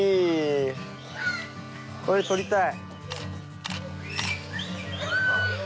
これ撮りたい。